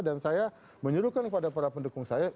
dan saya menyuruhkan kepada para pendukung saya